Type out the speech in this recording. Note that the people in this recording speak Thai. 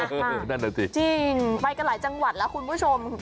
นั่นน่ะสิจริงไปกันหลายจังหวัดแล้วคุณผู้ชม